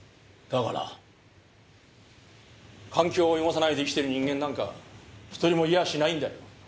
だから環境を汚さないで生きてる人間なんか１人もいやしないんだよ。